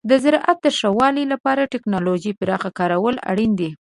د زراعت د ښه والي لپاره د تکنالوژۍ پراخ کارول اړین دي.